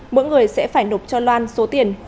mỗi người sẽ phải nộp cho loan số tiền khoảng bốn triệu đồng